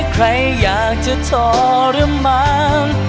ใครอยากจะทรมาน